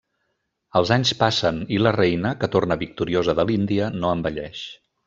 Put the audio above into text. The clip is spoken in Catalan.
Els anys passen i la reina, que torna victoriosa de l'Índia, no envelleix.